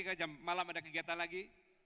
karena jam malam ada kegiatan lagi